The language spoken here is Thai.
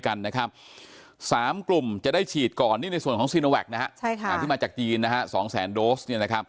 อาหารที่มาจากจีน๒แสนโดส